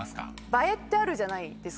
映えあるじゃないですか。